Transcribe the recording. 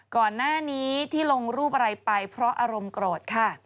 ก่อนหน้านี้ที่ลงรูปอะไรไปเพราะอารมณ์โกรธค่ะ